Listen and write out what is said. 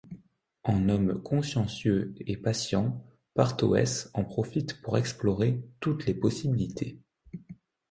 En homme consciencieux et patient, Partoes en profite pour explorer toutes les possibilités.